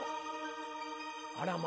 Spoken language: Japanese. あらま。